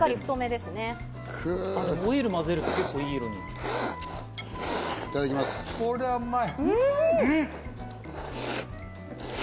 オイルを混ぜると結構いい色こりゃうまい！